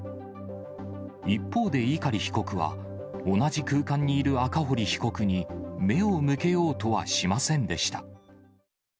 一方で碇被告は、同じ空間にいる赤堀被告に目を向けようとはしませんでした。